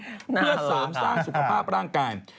เพื่อเสริมสร้างสุขภาพร่างกาย